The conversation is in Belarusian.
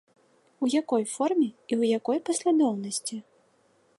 У якой форме і ў якой паслядоўнасці?